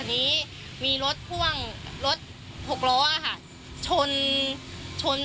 อันนี้มีรถทว่องรถ๖ล้อชนหนี